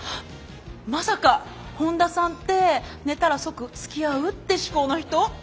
まさか本田さんって寝たら即つきあうって思考の人？